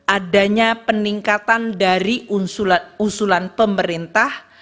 adanya peningkatan dari usulan pemerintah